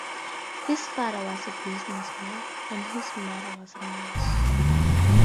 His father was a businessman, and his mother was a nurse.